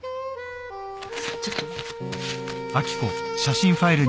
ちょっと。